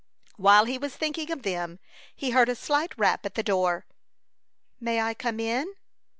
While he was thinking of them he heard a slight rap at the door. "May I come in?"